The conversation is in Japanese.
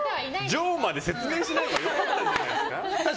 上まで説明しないで良かったんじゃないですか？